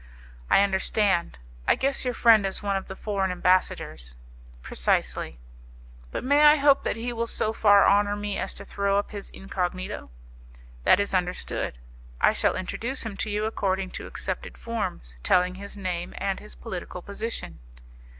"I understand. I guess your friend is one of the foreign ambassadors." "Precisely." "But may I hope that he will so far honour me as to throw up his incognito?" "That is understood. I shall introduce him to you according to accepted forms, telling his name and his political position."